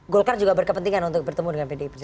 golkar juga berkepentingan untuk bertemu dengan pdip